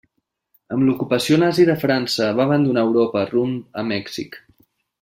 Amb l'ocupació nazi de França va abandonar Europa rumb a Mèxic.